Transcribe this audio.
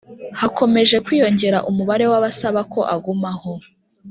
hakomeje kwiyongera umubare w’abasaba ko agumaho